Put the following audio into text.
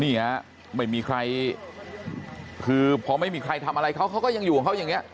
นี่ฮะไม่มีใครคือพอไม่มีใครทำอะไรเขาเขาก็ยังอยู่ของเขาอย่างนี้